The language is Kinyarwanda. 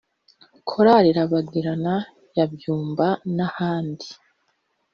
Korali Rabagirana ya Byumba n’ahandi